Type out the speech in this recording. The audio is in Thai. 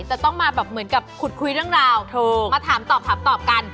จะต้องมาแบบเหมือนกับขุดคุยเรื่องราวโทรมาถามตอบถามตอบกัน